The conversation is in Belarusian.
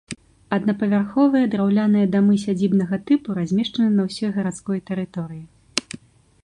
Аднапавярховыя драўляныя дамы сядзібнага тыпу размешчаны на ўсёй гарадской тэрыторыі.